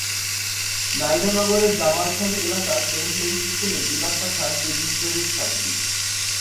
নাইরা নগরের জামালখান এলাকার Saint Mary's স্কুলের দিবা শাখার কেজি শ্রেণির ছাত্রী।